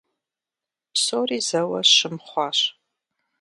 Псори зэуэ щым хъуащ.